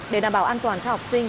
để đảm bảo an toàn cho học sinh